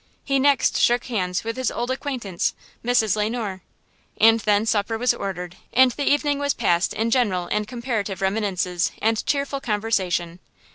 He next shook hands with his old acquaintance, Mrs. Le Noir. And then supper was ordered and the evening was passed in general and comparative reminiscences and cheerful conversation.